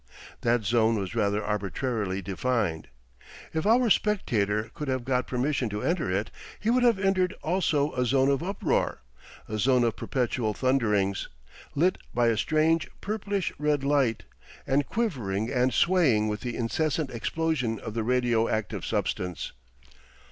That zone was rather arbitrarily defined. If our spectator could have got permission to enter it, he would have entered also a zone of uproar, a zone of perpetual thunderings, lit by a strange purplish red light, and quivering and swaying with the incessant explosion of the radio active substance.